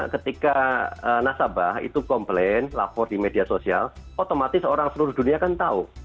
ketika nasabah itu komplain lapor di media sosial otomatis orang seluruh dunia kan tahu